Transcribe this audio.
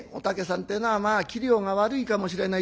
ってえのはまあ器量が悪いかもしれない。